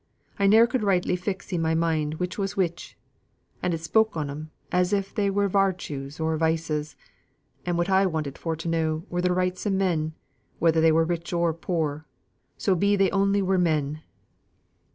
I ne'er could rightly fix i' my mind which was which; and it spoke on 'em as if they was vartues or vices; and what I wanted for to know were the rights o' men, whether they were rich or poor so be they only were men."